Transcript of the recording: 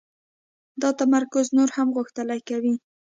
دا تمرکز نور هم غښتلی کوي